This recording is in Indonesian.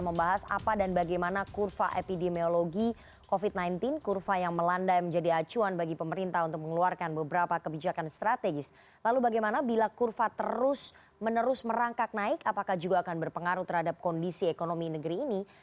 pertanyaan pertanyaan ini akan langsung dijawab oleh bima yudhistira peneliti indef